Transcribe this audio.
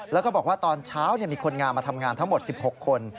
แล้วก็บอกว่าตอนเช้ามีคนงานมาทำงานทั้งหมด๑๖คน